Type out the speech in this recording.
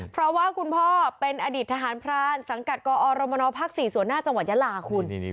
เพราะว่าคุณพ่อเป็นอดีตทหารพรานสังกัดกอรมนภ๔ส่วนหน้าจังหวัดยาลาคุณ